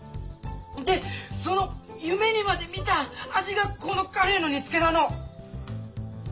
でその夢にまでみた味がこのカレイの煮つけなの！